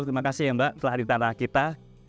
terima kasih mbak telah di tengah tengah kita